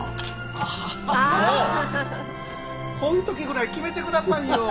あこういう時ぐらいきめてくださいよ